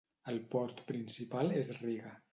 El port principal és Riga.